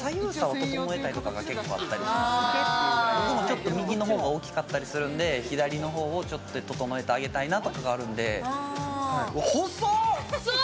僕もちょっと右の方が大きかったりするんで左の方をちょっと整えてあげたいなとかがあるんで細っ！